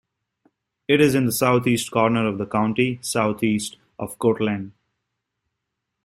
It is in the southeast corner of the county, southeast of Cortland.